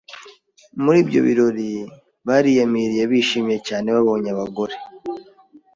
muri ibyo birori bariyamiriye bishimye cyane babonye abagore